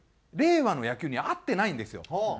令和の野球に合ってないんですよ。